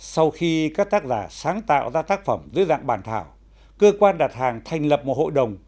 sau khi các tác giả sáng tạo ra tác phẩm dưới dạng bản thảo cơ quan đặt hàng thành lập một hội đồng